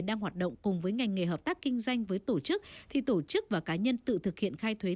đang hoạt động cùng với ngành nghề hợp tác kinh doanh với tổ chức thì tổ chức và cá nhân tự thực hiện khai thuế